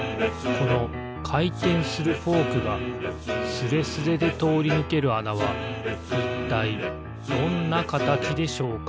このかいてんするフォークがスレスレでとおりぬけるあなはいったいどんなかたちでしょうか？